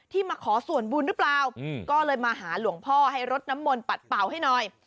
ที่มาขอสวรบุญรึเปล่าก็เลยมาหาหลวงพ่อให้รดนมลปัดเปล่าให้หน่อย